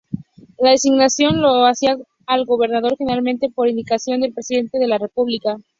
La designación la hacía el gobernador, generalmente por indicación del Presidente de la República.